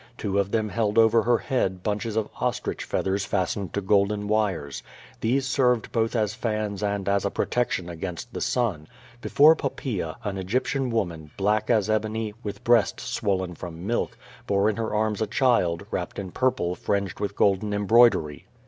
Two of them held over her head bunches of ostrich feathers fastened to golden wires. These served both as fans and as a protection against the sun. Before Poppaea, an Egyptian woman, black as ebony, with breasts swollen from milk, bore in her arms a child, wrapt in purple fringed with golden embroidery.